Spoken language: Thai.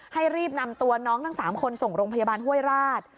รีบนำตัวน้องทั้ง๓คนส่งโรงพยาบาลห้วยราช